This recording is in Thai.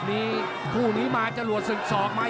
ติดตามยังน้อยกว่า